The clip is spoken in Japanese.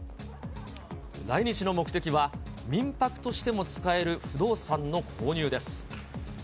来日の目的は、民泊としても使える不動産の購入です。